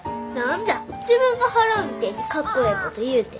自分が払うみてえにかっこええこと言うて。